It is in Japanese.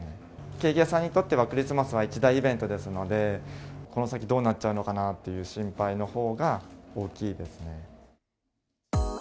ケーキ屋さんにとっては、クリスマスは一大イベントですので、この先どうなっちゃうのかなっていう心配のほうが大きいですね。